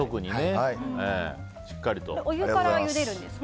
お湯からゆでるんですか？